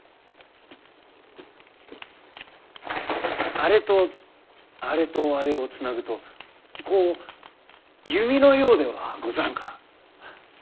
あれとあれとあれをつなぐとこう弓のようではござらんか？